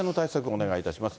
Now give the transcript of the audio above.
お願いいたします。